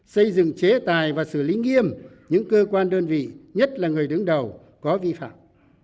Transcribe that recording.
xây dựng chế tài và xử lý nghiêm những cơ quan đơn vị nhất là người đứng đầu có vi phạm